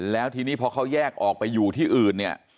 แล้วทีนี้พอเขาแยกออกไปอยู่ที่อื่นเนี่ย